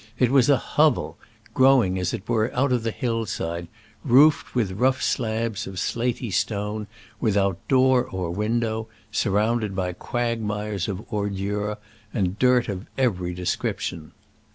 It was a hovel, growing, as it were, out of the hillside, roofed with rough slabs of slaty stone, without door or window, surrounded by quagmires of ordure and dirt of every description.